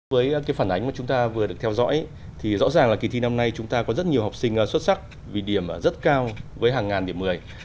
với cái phản ánh mà chúng ta vừa được theo dõi thì rõ ràng là kỳ thi năm nay chúng ta có rất nhiều học sinh xuất sắc vì điểm rất cao với hàng ngàn điểm một mươi